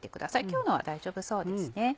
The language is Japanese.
今日のは大丈夫そうですね。